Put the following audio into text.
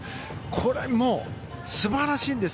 これもう素晴らしいんです。